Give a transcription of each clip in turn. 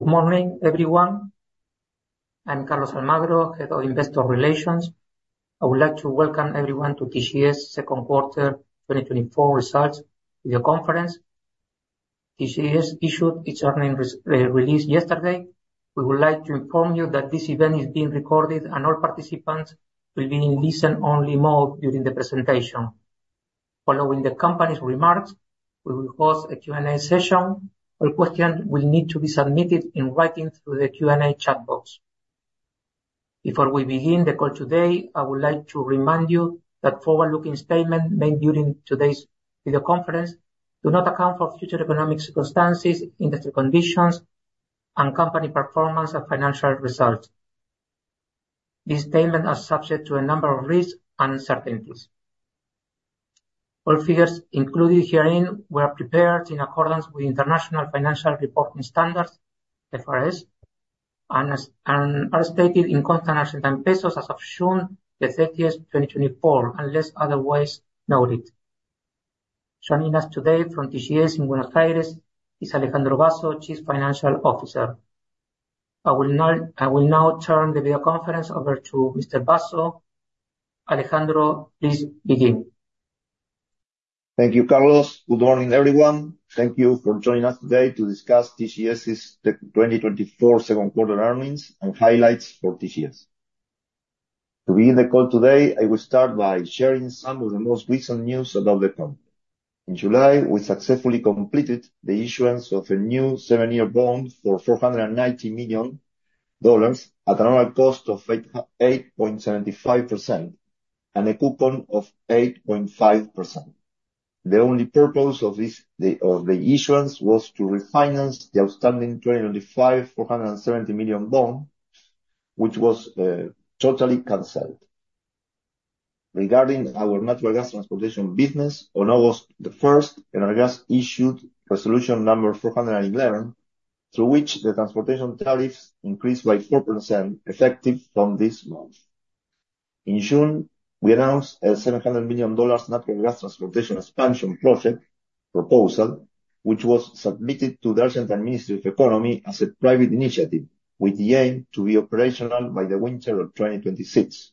Good morning, everyone. I'm Carlos Almagro, Head of Investor Relations. I would like to welcome everyone to TGS second quarter 2024 results video conference. TGS issued its earnings release yesterday. We would like to inform you that this event is being recorded, and all participants will be in listen only mode during the presentation. Following the company's remarks, we will host a Q&A session. All questions will need to be submitted in writing through the Q&A chat box. Before we begin the call today, I would like to remind you that forward-looking statements made during today's video conference do not account for future economic circumstances, industry conditions, and company performance or financial results. These statements are subject to a number of risks and uncertainties. All figures included herein were prepared in accordance with International Financial Reporting Standards, IFRS, and are stated in constant Argentine pesos as of June 30, 2024, unless otherwise noted. Joining us today from TGS in Buenos Aires is Alejandro Basso, Chief Financial Officer. I will now turn the video conference over to Mr. Basso. Alejandro, please begin. Thank you, Carlos. Good morning, everyone. Thank you for joining us today to discuss TGS's 2024 second quarter earnings and highlights for TGS. To begin the call today, I will start by sharing some of the most recent news about the company. In July, we successfully completed the issuance of a new seven-year bond for $490 million at an annual cost of 8.875% and a coupon of 8.5%. The only purpose of this issuance was to refinance the outstanding 2025 $470 million bond, which was totally canceled. Regarding our natural gas transportation business, on August 1, ENARGAS issued resolution number 411, through which the transportation tariffs increased by 4%, effective from this month. In June, we announced a $700 million natural gas transportation expansion project proposal, which was submitted to the Argentine Ministry of Economy as a private initiative, with the aim to be operational by the winter of 2026.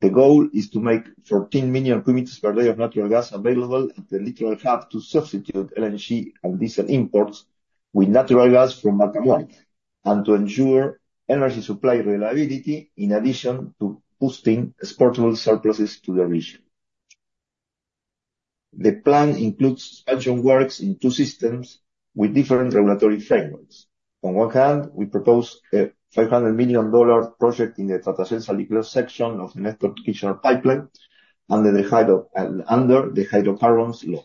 The goal is to make 14 million cubic meters per day of natural gas available at the Litoral hub to substitute LNG and diesel imports with natural gas from Vaca Muerta, and to ensure energy supply reliability, in addition to boosting exportable surpluses to the region. The plan includes expansion works in two systems with different regulatory frameworks. On one hand, we proposed a $500 million project in the Tratayén section of the Néstor Kirchner pipeline under the Hydrocarbons Law.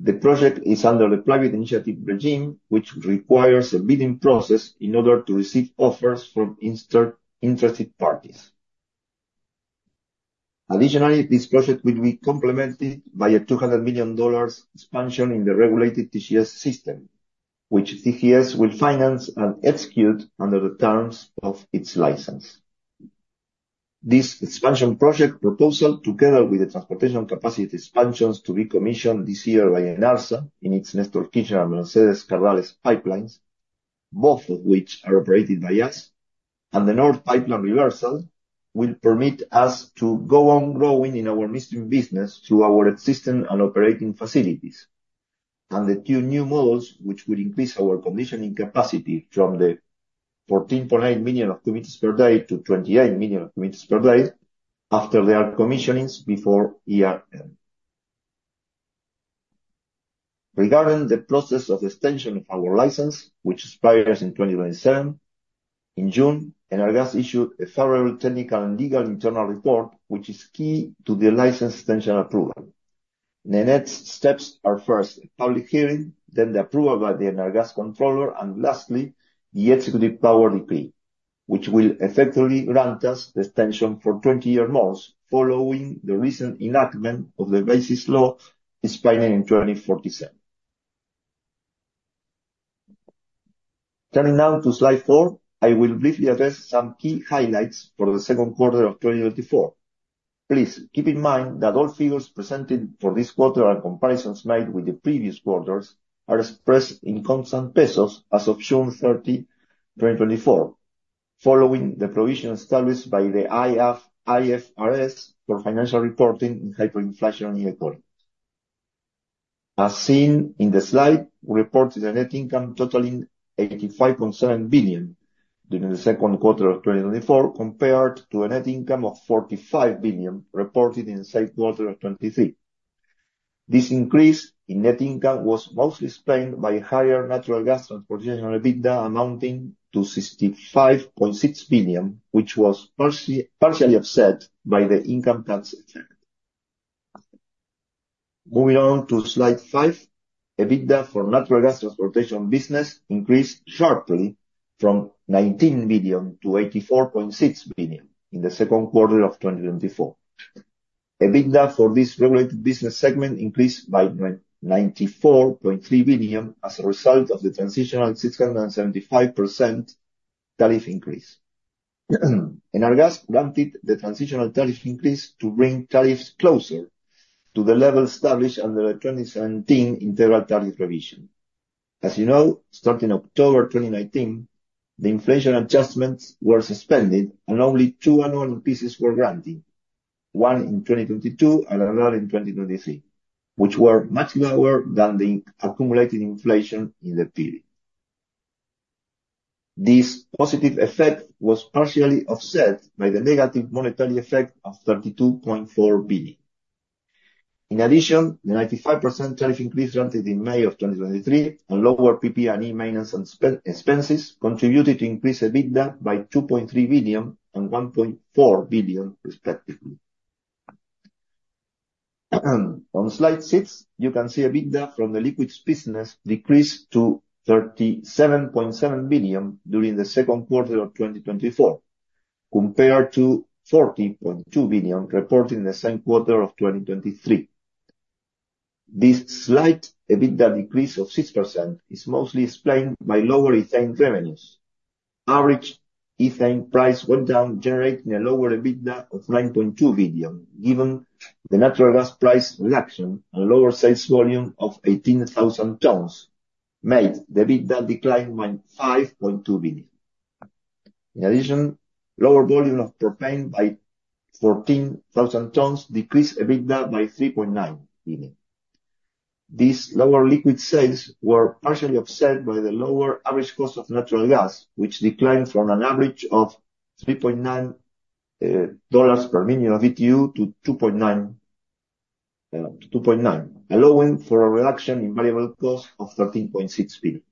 The project is under the private initiative regime, which requires a bidding process in order to receive offers from interested parties. Additionally, this project will be complemented by a $200 million expansion in the regulated TGS system, which TGS will finance and execute under the terms of its license. This expansion project proposal, together with the transportation capacity expansions to be commissioned this year by ENARGAS in its Néstor Kirchner-Mercedes-Cardales pipelines, both of which are operated by us, and the Northern Pipeline reversal, will permit us to go on growing in our existing business through our existing and operating facilities. The two new modules, which will increase our compression capacity from the 14.8 million cubic meters per day to 28 million cubic meters per day after their commissionings before year end. Regarding the process of extension of our license, which expires in 2027, in June, ENARGAS issued a thorough technical and legal internal report, which is key to the license extension approval. The next steps are first, a public hearing, then the approval by the ENARGAS controller, and lastly, the Executive Power decree, which will effectively grant us the extension for 20 years more, following the recent enactment of the Bases Law, expiring in 2047. Turning now to slide 4, I will briefly address some key highlights for the second quarter of 2024. Please keep in mind that all figures presented for this quarter and comparisons made with the previous quarters are expressed in constant pesos as of June 30, 2024, following the provision established by the IAS, IFRS, for financial reporting in hyperinflationary economies. As seen in the slide, we reported a net income totaling 85.7 billion during the second quarter of 2024, compared to a net income of 45 billion reported in the same quarter of 2023. This increase in net income was mostly explained by higher natural gas transportation EBITDA, amounting to 65.6 billion, which was partially offset by the income tax effect. Moving on to slide 5, EBITDA for natural gas transportation business increased sharply from 19 billion to 84.6 billion in the second quarter of 2024. EBITDA for this regulated business segment increased by 94.3 billion as a result of the transitional 675% tariff increase. ENARGAS granted the transitional tariff increase to bring tariffs closer to the level established under the 2017 integral tariff revision. As you know, starting October 2019, the inflation adjustments were suspended and only two annual increases were granted, one in 2022 and another in 2023, which were much lower than the accumulated inflation in the period. This positive effect was partially offset by the negative monetary effect of 32.4 billion. In addition, the 95% tariff increase granted in May of 2023, and lower PP&E maintenance and spending expenses contributed to increase EBITDA by 2.3 billion and 1.4 billion, respectively. On slide 6, you can see EBITDA from the liquids business decreased to 37.7 billion during the second quarter of 2024, compared to 14.2 billion reported in the same quarter of 2023. This slight EBITDA decrease of 6% is mostly explained by lower ethane revenues. Average ethane price went down, generating a lower EBITDA of 9.2 billion, given the natural gas price reduction and lower sales volume of 18,000 tons, made the EBITDA decline by 5.2 billion. In addition, lower volume of propane by 14,000 tons decreased EBITDA by 3.9 billion. These lower liquid sales were partially offset by the lower average cost of natural gas, which declined from an average of $3.9 per MMBtu to $2.9, allowing for a reduction in variable cost of 13.6 billion.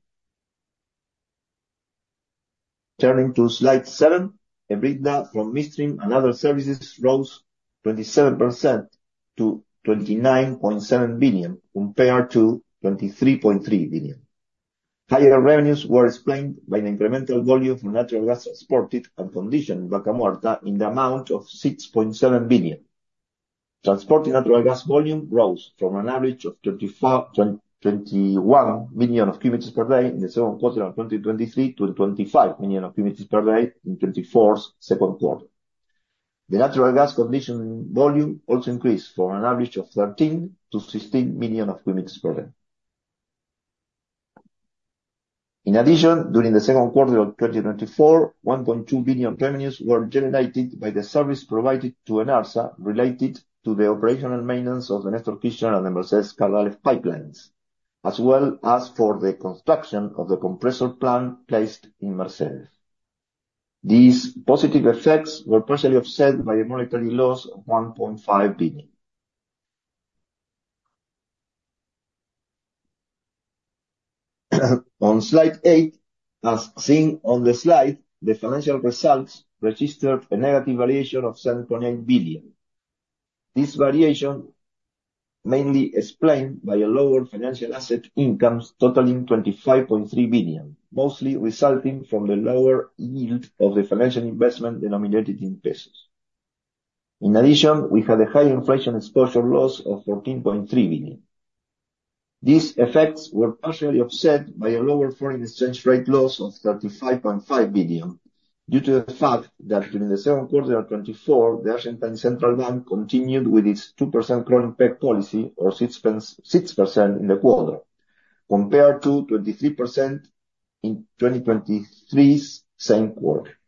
Turning to slide seven, EBITDA from midstream and other services rose 27% to 29.7 billion, compared to 23.3 billion. Higher revenues were explained by an incremental volume of natural gas exported and conditioned in Vaca Muerta in the amount of 6.7 billion. Transported natural gas volume rose from an average of 35.2 million cubic meters per day in the second quarter of 2023 to 25 million cubic meters per day in 2024's second quarter. The natural gas conditioning volume also increased from an average of 13.16 million cubic meters per day. In addition, during the second quarter of 2024, 1.2 billion revenues were generated by the service provided to ENARGAS, related to the operational maintenance of the Néstor Kirchner and Mercedes-Cardales pipelines, as well as for the construction of the compressor plant placed in Mercedes. These positive effects were partially offset by a monetary loss of 1.5 billion. On slide 8, as seen on the slide, the financial results registered a negative variation of 7.8 billion. This variation mainly explained by a lower financial asset incomes totaling 25.3 billion, mostly resulting from the lower yield of the financial investment denominated in pesos. In addition, we had a high inflation exposure loss of 14.3 billion. These effects were partially offset by a lower foreign exchange rate loss of 35.5 billion, due to the fact that during the second quarter of 2024, the Argentine Central Bank continued with its 2% crawling peg policy, or 6% in the quarter, compared to 23% in 2023's same quarter.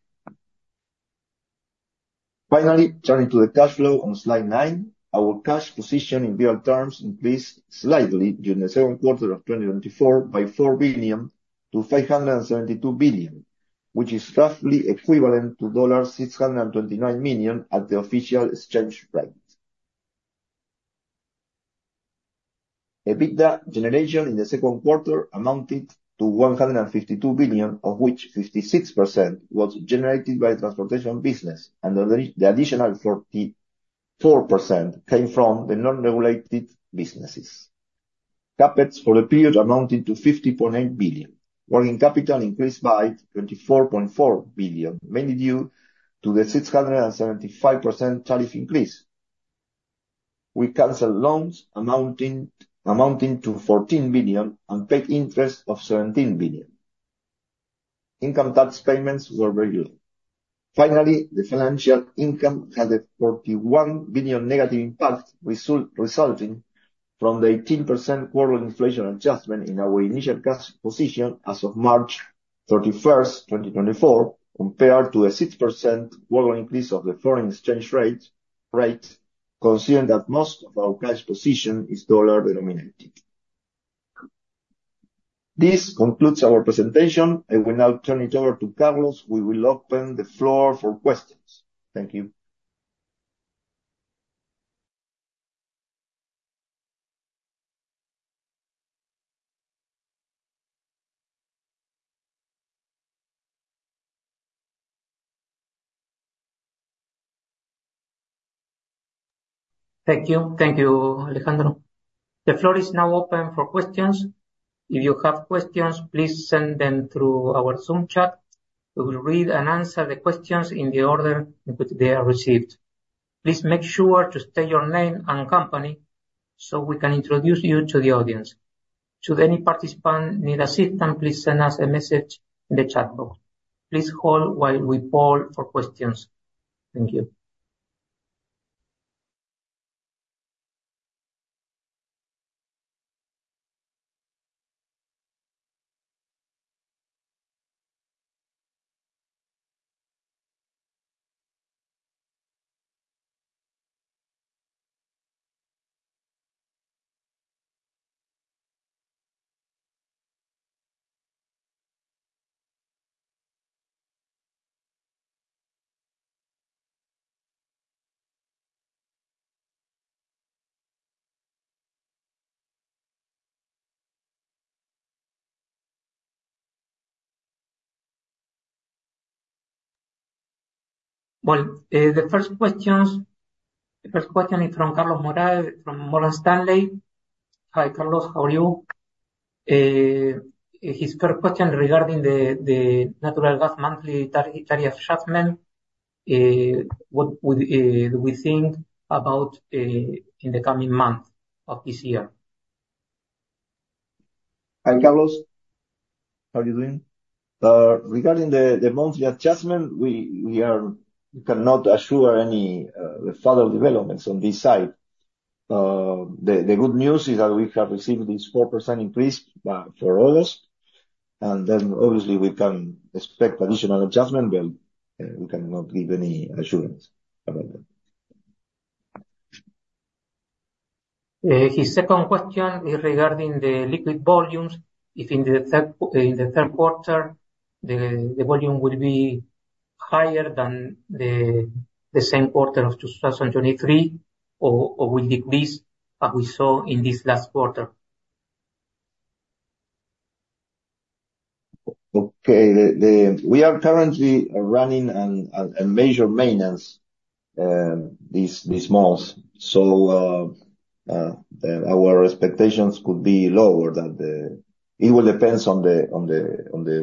Finally, turning to the cash flow on slide 9, our cash position in real terms increased slightly during the second quarter of 2024 by 4 billion to 572 billion, which is roughly equivalent to $629 million at the official exchange rate. EBITDA generation in the second quarter amounted to 152 billion, of which 56% was generated by the transportation business, and the additional 44% came from the non-regulated businesses. CapEx for the period amounted to 50.8 billion. Working capital increased by 24.4 billion, mainly due to the 675% tariff increase. We canceled loans amounting to 14 billion and paid interest of 17 billion. Income tax payments were regular. Finally, the financial income had a 41 billion negative impact resulting from the 18% quarter inflation adjustment in our initial cash position as of March thirty-first, 2024, compared to a 6% quarter increase of the foreign exchange rate, considering that most of our cash position is dollar-denominated. This concludes our presentation. I will now turn it over to Carlos. We will open the floor for questions. Thank you. Thank you. Thank you, Alejandro. The floor is now open for questions. If you have questions, please send them through our Zoom chat. We will read and answer the questions in the order in which they are received. Please make sure to state your name and company so we can introduce you to the audience... Should any participant need assistance, please send us a message in the chat box. Please hold while we poll for questions. Thank you. Well, the first question is from Carlos Morales, from Morgan Stanley. Hi, Carlos, how are you? His first question regarding the natural gas monthly tariff adjustment, what would do we think about in the coming months of this year? Hi, Carlos, how are you doing? Regarding the monthly adjustment, we cannot assure any further developments on this side. The good news is that we have received this 4% increase for August, and then obviously we can expect additional adjustment, but we cannot give any assurance about that. His second question is regarding the liquid volumes, if in the third quarter the volume will be higher than the same quarter of 2023, or will decrease, as we saw in this last quarter. Okay. We are currently running a major maintenance these months. So, our expectations could be lower than the... It will depends on the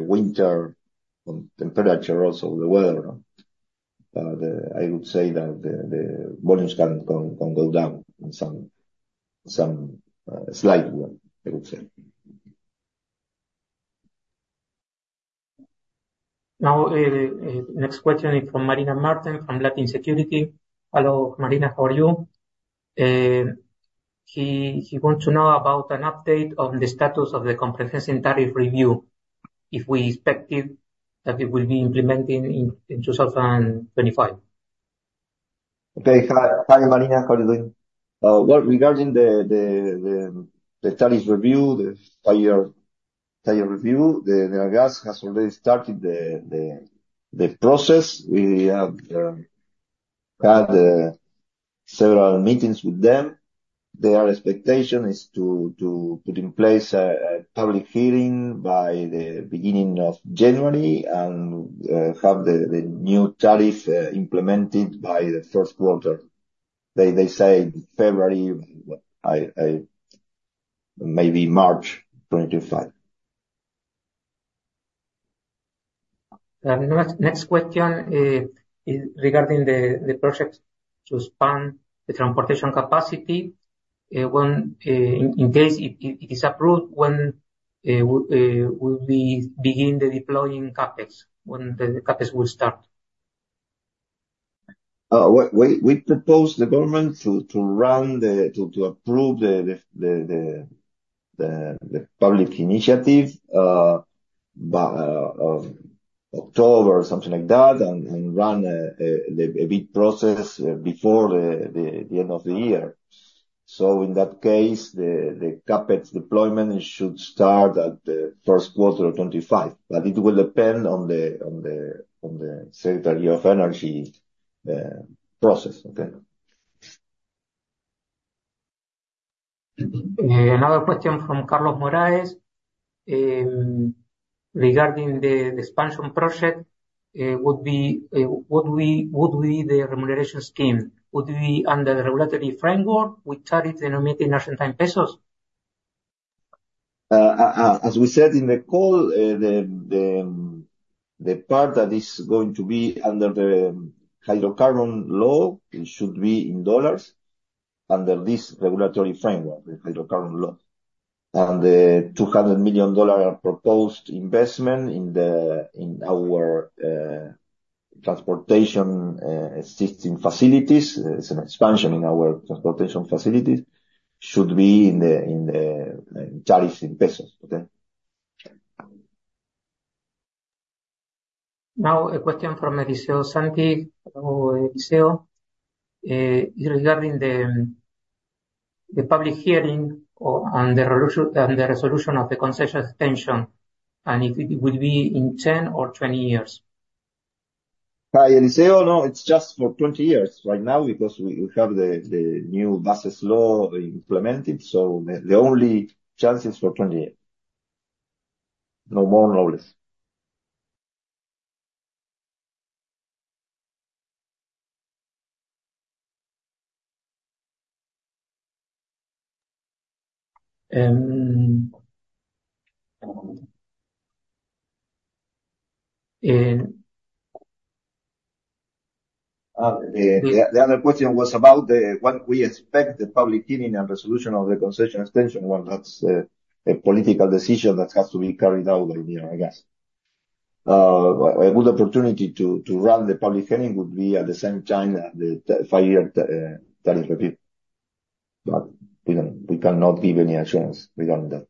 winter, on temperature, also the weather. I would say that the volumes can go down in some slight way, I would say. Now, next question is from Marina Marti, from Latin Securities. Hello, Marina, how are you? He wants to know about an update on the status of the comprehensive tariff review, if we expect it, that it will be implemented in 2025. Okay. Hi, hi, Marina. How are you doing? Well, regarding the tariff review, the five-year tariff review, ENARGAS has already started the process. We have had several meetings with them. Their expectation is to put in place a public hearing by the beginning of January and have the new tariff implemented by the first quarter. They say February, maybe March 2025. The next question is regarding the project to expand the transportation capacity. In case it is approved, when would we begin the deploying CapEx? When the CapEx will start? We propose the government to approve the public initiative by October, something like that, and run a bid process before the end of the year. So in that case, the CapEx deployment should start at the first quarter of 2025, but it will depend on the Secretary of Energy process, okay? Another question from Carlos Morales, regarding the expansion project, would be, would we, would we the remuneration scheme, would we, under the regulatory framework, we charge the nominated Argentine pesos? As we said in the call, the part that is going to be under the Hydrocarbons Law, it should be in dollars, under this regulatory framework, the Hydrocarbons Law. And the $200 million proposed investment in our transportation existing facilities, it's an expansion in our transportation facilities, should be charged in ARS, okay? Now, a question from Eliseo Daneri. Hello, Eliseo. Regarding the public hearing and the resolution of the concession extension, and if it will be in 10 or 20 years. Hi, Eliseo. No, it's just for 20 years right now because we have the new Bases Law implemented, so the only chance is for 20 years, no more, no less. Um, um, uh-... The other question was about what we expect [for] the public hearing and resolution of the concession extension. Well, that's a political decision that has to be carried out by the year, I guess. A good opportunity to run the public hearing would be at the same time as the five-year tariff review. But we cannot give any assurance beyond that.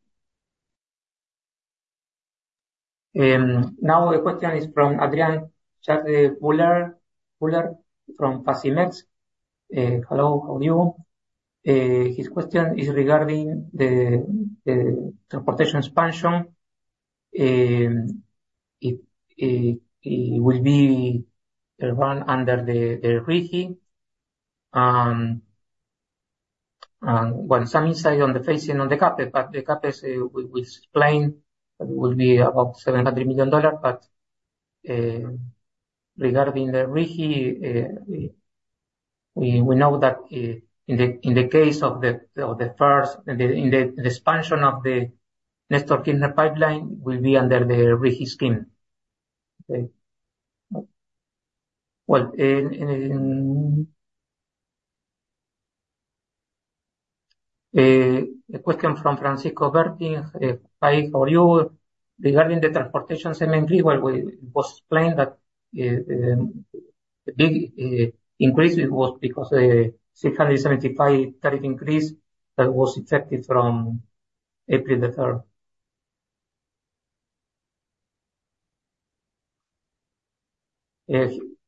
Now the question is from Adrian Charchir from Facimex. Hello, how are you? His question is regarding the transportation expansion. It will be run under the RIGI. And well, some insight on the phasing on the CapEx, but the CapEx, we explained that it will be about $700 million. But, regarding the RIGI, we know that, in the case of the first expansion of the Néstor Kirchner pipeline, will be under the RIGI scheme. Okay. Well, in... A question from Francisco Berti. Hi, how are you? Regarding the transportation segment, well, it was explained that the big increase was because the 675 tariff increase that was effective from April 3.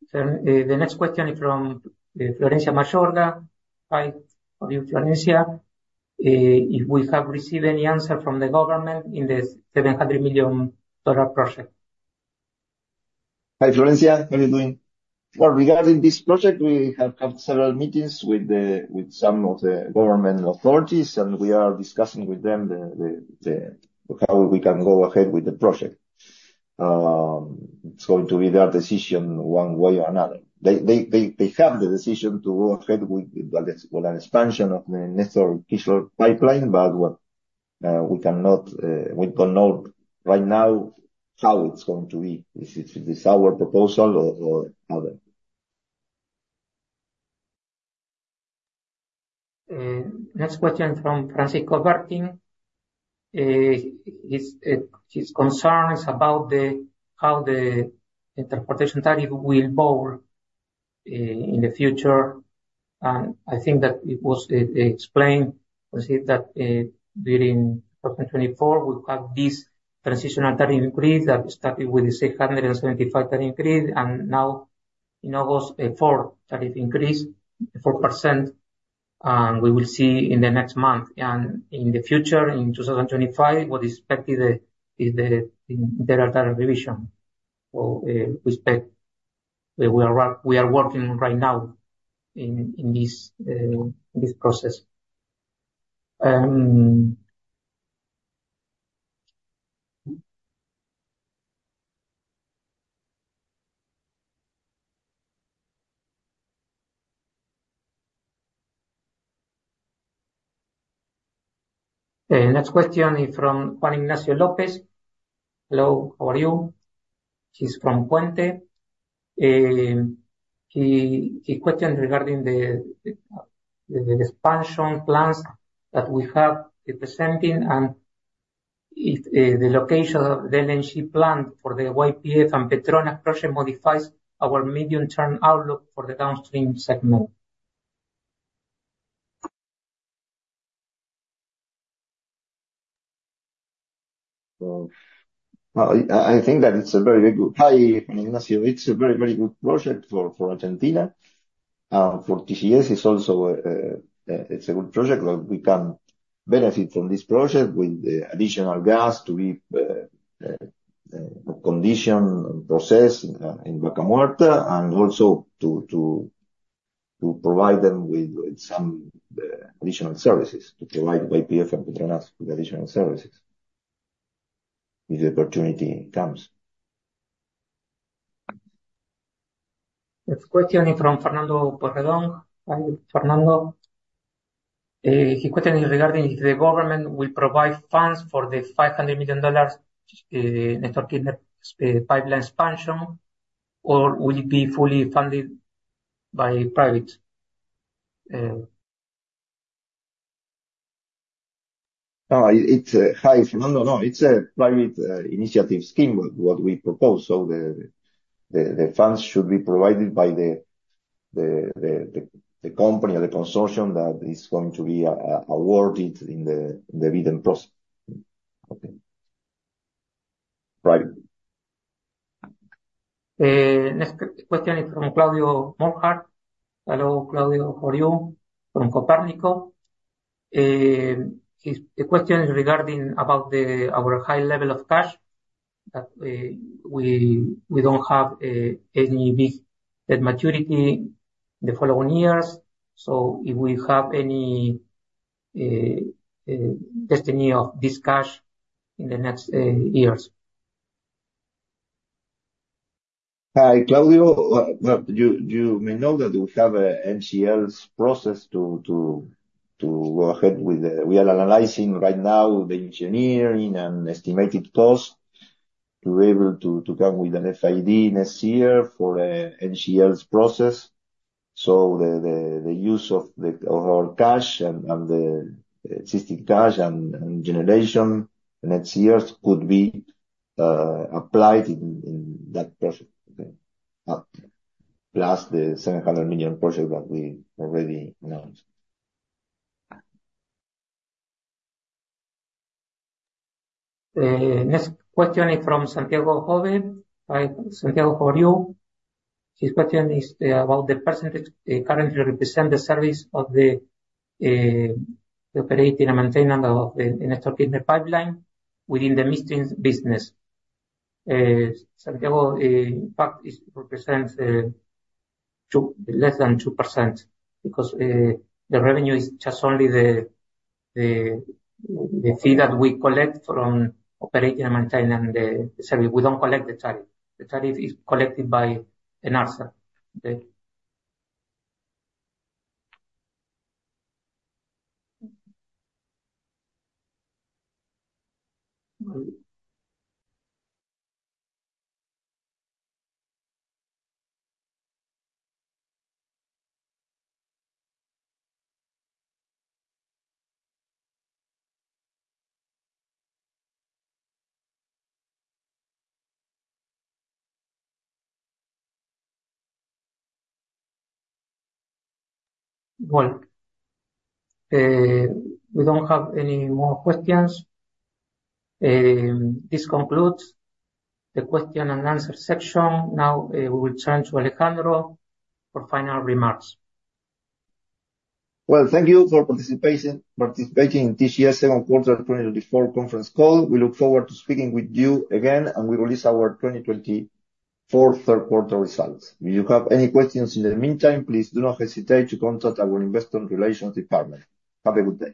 So, the next question is from Florencia Mayorga. Hi, how are you, Florencia? If we have received any answer from the government in the $700 million project? Hi, Florencia. How are you doing? Well, regarding this project, we have had several meetings with some of the government authorities, and we are discussing with them how we can go ahead with the project. It's going to be their decision, one way or another. They have the decision to go ahead with, well, an expansion of the Néstor Kirchner pipeline, but what we cannot right now how it's going to be, if it's our proposal or other. Next question from Francisco Berti. His concern is about how the transportation tariff will evolve in the future. And I think that it was explained that during 2024, we have this transitional tariff increase that started with the 675 tariff increase, and now in August, a 4% tariff increase. And we will see in the next month and in the future, in 2025, what is expected is the tariff revision. So, we expect. We are working right now in this process. The next question is from Juan Ignacio López. Hello, how are you? He's from Puente. He questioned regarding the expansion plans that we have been presenting and if the location of the LNG plant for the YPF and Petronas project modifies our medium-term outlook for the downstream segment. Well, I think that it's a very, very good... Hi, Ignacio. It's a very, very good project for Argentina. For TGS, it's also a good project that we can benefit from this project with the additional gas to be conditioned and processed in Vaca Muerta, and also to provide them with some additional services, to provide YPF and Petronas with additional services, if the opportunity comes. Next question is from Fernando Polledo. Hi, Fernando. His question is regarding if the government will provide funds for the $500 million Néstor Kirchner pipeline expansion, or will it be fully funded by private? Hi, Fernando. No, it's a private initiative scheme, what we propose. So the funds should be provided by the company or the consortium that is going to be awarded in the bidding process. Okay. Right. Next question is from Claudio Mohadeb. Hello, Claudio. How are you? From Copernico. His question is regarding our high level of cash, that we don't have any big debt maturity the following years, so if we have any destiny of this cash in the next years. Hi, Claudio. Well, you may know that we have an NGLs project to go ahead with the... We are analyzing right now the engineering and estimated cost... to be able to come with an FID next year for NGLs project. So the use of our cash and the existing cash and generation next years could be applied in that project. Plus the $700 million project that we already announced. Next question is from Santiago Jove. Hi, Santiago, how are you? This question is about the percentage currently represent the service of the operating and maintaining of the ENARSA pipeline within the midstream business. Santiago, in fact, it represents less than 2%, because the revenue is just only the fee that we collect from operating and maintaining the service. We don't collect the tariff. The tariff is collected by ENARSA. Okay? Well, we don't have any more questions. This concludes the question and answer section. Now, we will turn to Alejandro for final remarks. Well, thank you for participation, participating in this year's second quarter 2024 conference call. We look forward to speaking with you again when we release our 2024 third quarter results. If you have any questions in the meantime, please do not hesitate to contact our investor relations department. Have a good day.